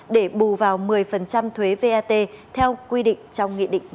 để bù vào một mươi thuế vat theo quy định trong nghị định một trăm hai mươi sáu